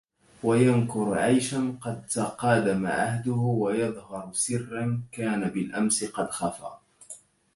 وينكر عيشا قد تقادم عهده... ويظهر سرا كان بالأمس قد خفا